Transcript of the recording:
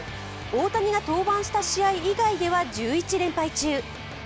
大谷が登板した試合以外では１１連敗中。